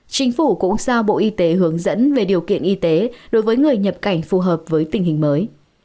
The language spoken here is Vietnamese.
chính phủ cũng giao bộ y tế hướng dẫn về điều kiện y tế đối với người nhập cảnh phù hợp với tình hình mới